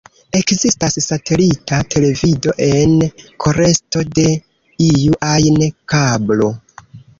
Ekzistas satelita televido, en foresto de iu ajn kablo.